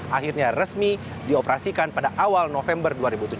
akhirnya resmi dioperasikan pada awal november dua ribu tujuh belas